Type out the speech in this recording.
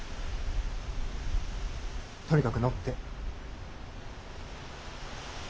とにかく乗って。